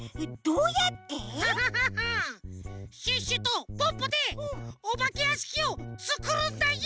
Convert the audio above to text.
フフフフシュッシュとポッポでおばけやしきをつくるんだよ！